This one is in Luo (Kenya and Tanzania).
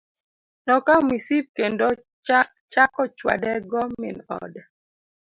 Nokawo misip kendo chako chwade go min ode.